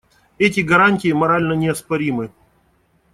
Эти гарантии морально неоспоримы.